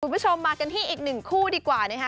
คุณผู้ชมมากันที่อีกหนึ่งคู่ดีกว่านะคะ